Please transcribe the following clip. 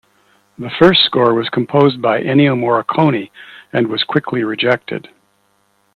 The first score was composed by Ennio Morricone and was quickly rejected.